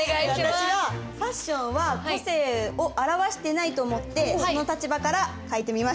私はファッションは個性を表してないと思ってその立場から書いてみました。